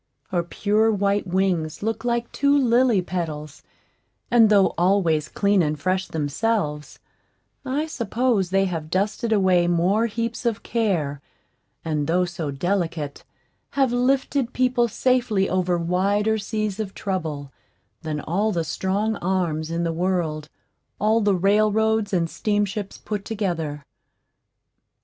Her pure white wings look like two lily petals, and though always clean and fresh themselves, I suppose they have dusted away more heaps of care, and though so delicate, have lifted people safely over wider seas of trouble, than all the strong arms in the world all the railroads and steamships put together.